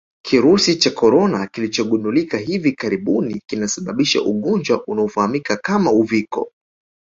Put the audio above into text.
Kirusi cha Corona kilichogundulika hivi karibuni kinasababisha ugonjwa unaofahamika kama Uviko